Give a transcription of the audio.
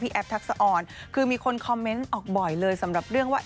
แอฟทักษะอ่อนคือมีคนคอมเมนต์ออกบ่อยเลยสำหรับเรื่องว่า